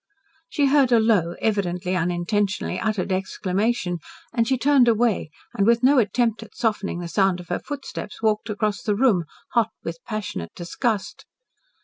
She heard a low, evidently unintentionally uttered exclamation, and she turned away, and with no attempt at softening the sound of her footsteps walked across the room, hot with passionate disgust.